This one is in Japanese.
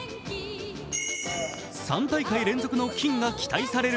３大会連続の金が期待される